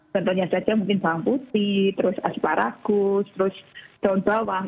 contohnya saja mungkin bawang putih terus asparagus terus daun bawang